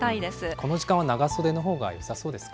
この時間は長袖のほうがよさそうですか。